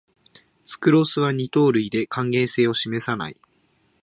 スクロースは二糖類で還元性を示さない